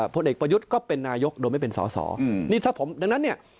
เพราะมันคนละอ่านกัน